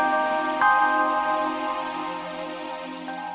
sampai ketemu di surga